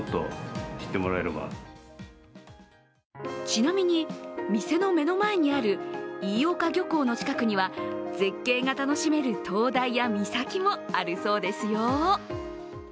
ちなみに、店の目の前にある飯岡漁港の近くには絶景が楽しめる灯台や岬もあるそうですよ。